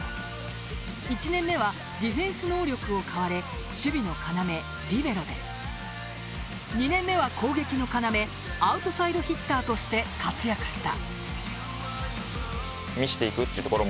１年目はディフェンス能力を買われ守備の要、リベロで２年目は攻撃の要アウトサイドヒッターとして活躍した。